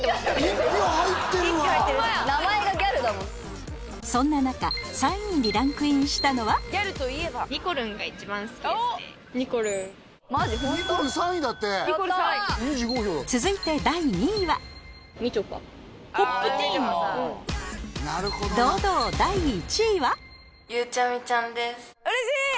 １票入ってるわ名前がギャルだもんそんな中３位にランクインしたのはにこるんが一番好きですねマジホント？にこるん３位だって続いて第２位は堂々第１位はゆうちゃみちゃんです嬉しい！